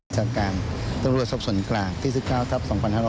จากการตังรัวทรัพย์ส่วนกลางที่๑๙ทัพ๒๑๖๑